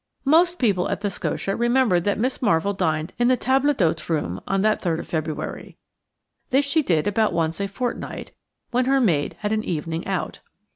Most people at the Scotia remembered that Miss Marvell dined in the table d'hôte room on that 3rd of February; this she did about once a fortnight, when her maid had an evening "out."